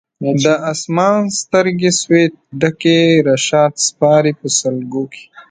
د اسمان سترګي سوې ډکي رشاد سپاري په سلګو کي